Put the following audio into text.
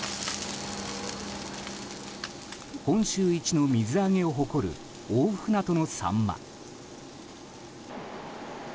本州一の水揚げを誇る大船渡のサンマ。